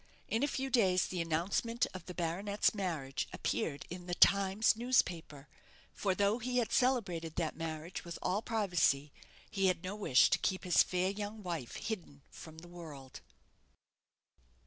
In a few days the announcement of the baronet's marriage appeared in "The Times" newspaper; for, though he had celebrated that marriage with all privacy, he had no wish to keep his fair young wife hidden from the world.